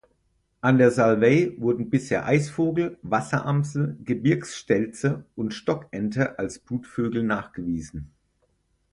An der Salwey wurden bisher Eisvogel, Wasseramsel, Gebirgsstelze und Stockente als Brutvögel nachgewiesen.